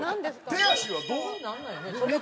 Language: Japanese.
手足はどう？